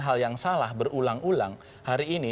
hal yang salah berulang ulang hari ini